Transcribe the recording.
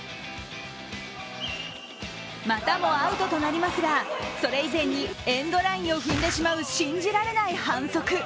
またもアウトとなりますが、それ以前にエンドラインを踏んでしまう信じられない反則。